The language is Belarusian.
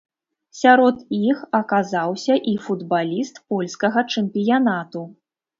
Сярод іх аказаўся і футбаліст польскага чэмпіянату.